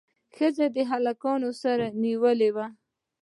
ښځې د هلک سر نیولی و.